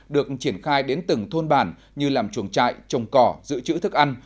được triển khai đến từng thôn bản như làm chuồng trại trồng cỏ giữ chữ thức ăn